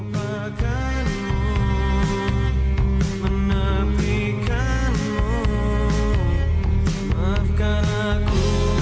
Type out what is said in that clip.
lupakanmu menabrikanmu maafkan aku